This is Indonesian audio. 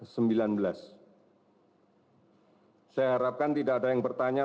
saya harapkan tidak ada yang bertanya